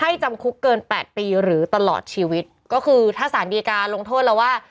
จำคุกเกินแปดปีหรือตลอดชีวิตก็คือถ้าสารดีการลงโทษแล้วว่า